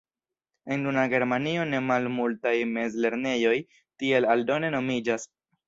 En nuna Germanio ne malmultaj mezlernejoj tiel aldone nomiĝas.